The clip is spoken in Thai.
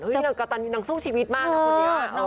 เฮ้ยนั้นกะตันสู้ชีวิตมากนะคนนี้